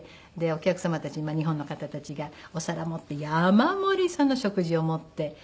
お客様たち日本の方たちがお皿持って山盛りその食事を持って。